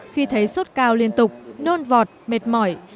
khi thấy sốt cao liên tục nôn vọt mệt mỏi